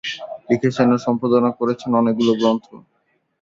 লিখেছেন ও সম্পাদনা করেছেন অনেকগুলো গ্রন্থ।